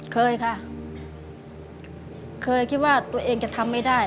เคยค่ะเคยคิดว่าตัวเองจะทำไม่ได้